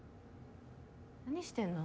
何してんの？